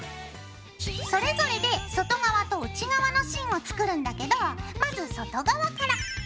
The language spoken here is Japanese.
それぞれで外側と内側の芯を作るんだけどまず外側から。